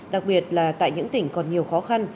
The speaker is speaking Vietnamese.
đặc biệt là tại những tỉnh còn nhiều khó khăn